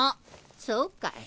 そうかい。